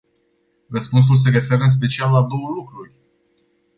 Răspunsul se referă în special la două lucruri.